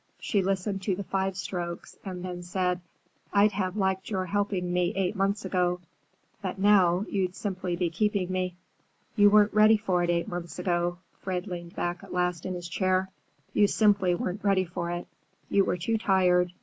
She listened to the five strokes and then said, "I'd have liked your helping me eight months ago. But now, you'd simply be keeping me." "You weren't ready for it eight months ago." Fred leaned back at last in his chair. "You simply weren't ready for it. You were too tired.